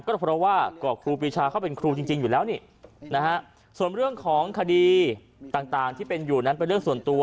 ก็เพราะว่าก็ครูปีชาเขาเป็นครูจริงอยู่แล้วนี่นะฮะส่วนเรื่องของคดีต่างที่เป็นอยู่นั้นเป็นเรื่องส่วนตัว